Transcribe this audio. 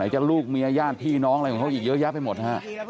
จะลูกเมียญาติพี่น้องอะไรของเขาอีกเยอะแยะไปหมดฮะ